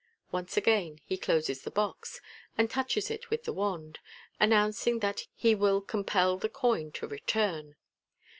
Once again he closes the box, and touches it with the wand, announc ing that he will compel the coin to return.